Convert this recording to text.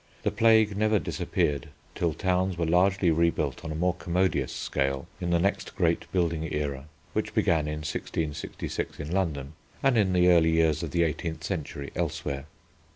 The plague never disappeared till towns were largely rebuilt on a more commodious scale in the next great building era, which began in 1666 in London and in the early years of the eighteenth century elsewhere.